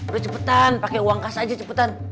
udah cepetan pakai uang kas aja cepetan